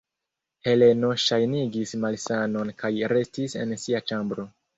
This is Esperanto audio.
Heleno ŝajnigis malsanon kaj restis en sia ĉambro.